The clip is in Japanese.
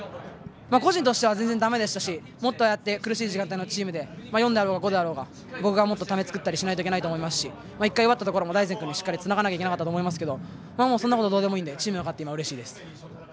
個人としては全然だめでしたしもっとああやって苦しい時間帯のチームで４だろうが５だろうが僕がもっとため作ったりしないといけないと思いますし１回終わったところも大然君にしっかりつながなきゃいけなかったと思いますけどそんなことどうでもいいのでチームが勝って今うれしいです。